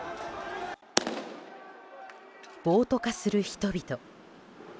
暴徒化する人々。